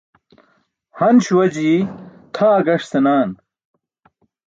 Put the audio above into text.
Han śuwa jii tʰaa gaṣ senaa.